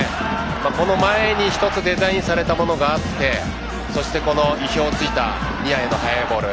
この前に１つデザインされたものがあってそして、意表を突いたニアへの速いボール。